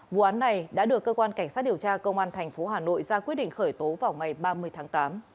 vụ án này đã được cơ quan cảnh sát điều tra công an tp hà nội ra quyết định khởi tố vào ngày ba mươi tháng tám